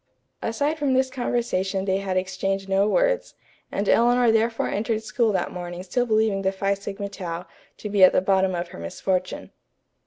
Aside from this conversation they had exchanged no words, and Eleanor therefore entered school that morning still believing the Phi Sigma Tau to be at the bottom of her misfortune.